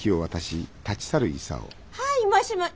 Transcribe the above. はいもしも。